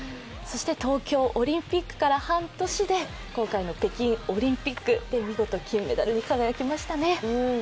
そして東京オリンピックから約半年、今回の北京オリンピックで見事、金メダルに輝きましたね。